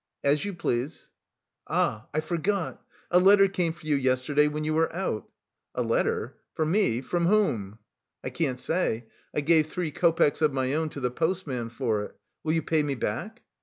"As you please." "Ah, I forgot! A letter came for you yesterday when you were out." "A letter? for me! from whom?" "I can't say. I gave three copecks of my own to the postman for it. Will you pay me back?"